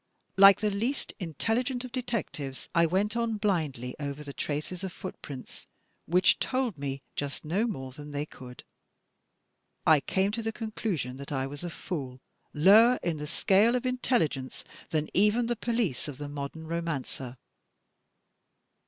Like the least intelligent of detectives, I went on blindly over the traces of footprints which told me just no more than they could. "I came to the conclusion that I was a fool, lower in the scale of intelligence than even the police of the modem romancer.